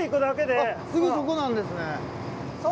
あっすぐそこなんですね。